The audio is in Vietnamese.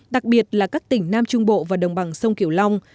đặc biệt là các tỉnh nam trung bộ và đồng bằng sông kiểu long